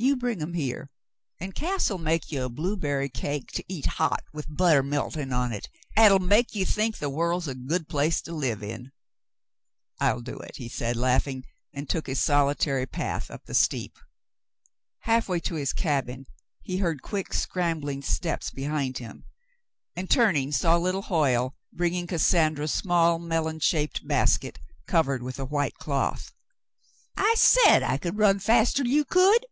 "You bring 'em here, an' Cass'U make ye a blueberry cake to eat hot with butter melt'n' on hit 'at'll make ye think the world's a good place to live in." "I'll do it," he said, laughing, and took his solitary path up the steep. Halfway to his cabin, he heard quick, scrambling steps behind him, and, turning, saw little Hoyle bringing Cassandra's small melon shaped basket, covered with a white cloth. "I said I could run faster'n you could.